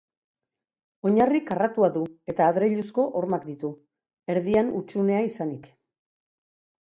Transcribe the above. Oinarri karratua du eta adreiluzko hormak ditu, erdian hutsunea izanik.